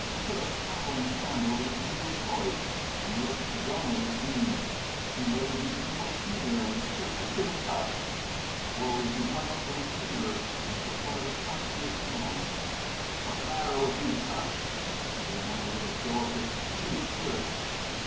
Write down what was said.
He put a throttling hand over the anguished voice, and looked dumbly at Bean. He noted the evil sneer and traced it to the cuffs. Slowly he hung up the receiver and took one of the cuffs in his hands. "Wha's matter these cuffs?" he demanded with a show of his true spirit.